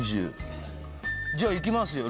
じゃあいきますよ。